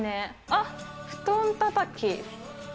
あっ、布団たたき。